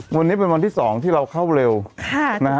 วันนี้เป็นวันที่๒ที่เราเข้าเร็วนะฮะ